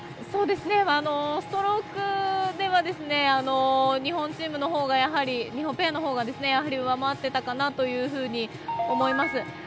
ストロークでは日本ペアのほうが上回ってたかなというふうに思います。